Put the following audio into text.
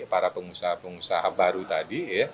para pengusaha pengusaha baru tadi